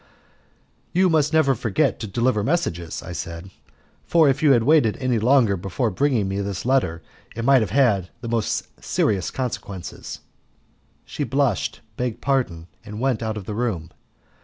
"You must never forget to deliver messages," I said, "for if you had waited any longer before bringing me this letter, it might have had the most serious consequences." She blushed, begged pardon, and went out of the room.